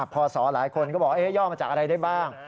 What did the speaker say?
พศหลายคนก็บอกย่อมาจากอะไรได้บ้าง